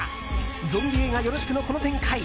ゾンビ映画よろしくのこの展開。